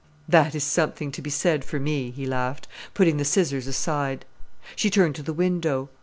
"That is something to be said for me," he laughed, putting the scissors aside. She turned to the window.